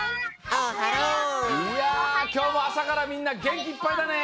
いやきょうもあさからみんなげんきいっぱいだね。